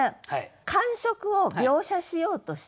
感触を描写しようとしてる。